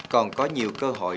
còn có nhiều cơ hội